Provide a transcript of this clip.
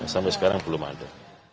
sampai sekarang belum ada